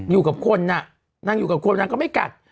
อยู่กับคนน่ะนางอยู่กับคนนางก็ไม่กัด